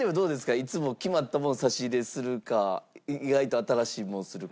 いつも決まったもの差し入れするか意外と新しいものをするか。